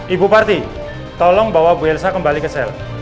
ibu parti tolong bawa bu elsa kembali ke sel